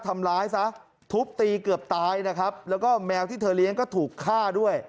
ทำร้ายซะทุบตีเกือบตายนะครับแล้วก็แมวที่เธอเลี้ยงก็ถูกฆ่าด้วย